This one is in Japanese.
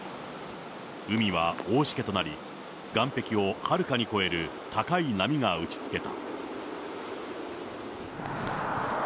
海は大しけとなり、岸壁をはるかに越える高い波が打ちつけた。